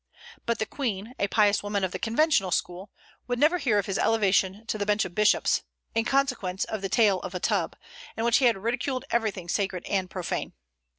But the Queen a pious woman of the conventional school would never hear of his elevation to the bench of bishops, in consequence of the "Tale of a Tub," in which he had ridiculed everything sacred and profane.